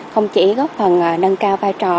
không chỉ góp phần nâng cao vai trò